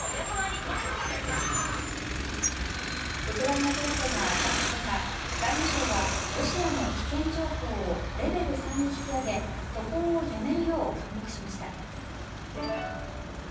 ウクライナ情勢が悪化する中外務省はロシアの危険情報をレベル３に引き上げ渡航をやめるよう勧告しました。